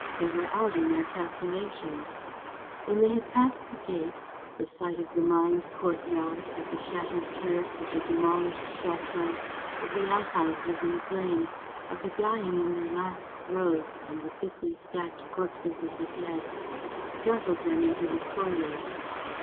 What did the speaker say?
They were out in their calculations." When they had passed the gate, the sight of the mined court yard, of the shattered turrets, of the demolished château, of the out houses in flames, of the dying in their last throes and the thickly stacked corpses of the dead startled them into recoiling.